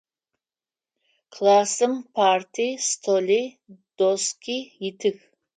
Классым парти, столи, доски итых.